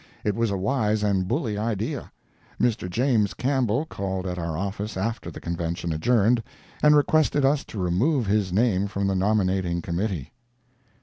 It was a wise and bully idea. Mr. James Campbell called at our office after the Convention adjourned, and requested us to remove his name from the nominating committee.